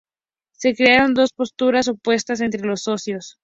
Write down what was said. Se crearon dos posturas opuestas entre los socios.